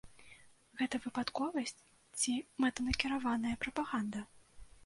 Гэта выпадковасць ці мэтанакіраваная прапаганда?